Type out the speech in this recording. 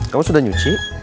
kamu sudah nyuci